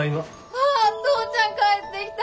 あ父ちゃん帰ってきた！